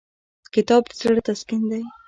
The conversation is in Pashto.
کتاب د زړه تسکین دی.